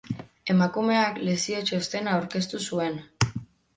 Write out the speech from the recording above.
Emakumeak lesio txostena aurkeztu zuen.